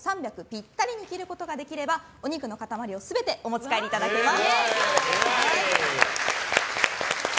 ぴったりに切ることができればお肉の塊全てお持ち帰りいただけます。